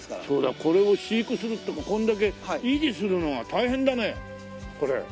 そうだこれを飼育するっていうかこれだけ維持するのは大変だねこれ。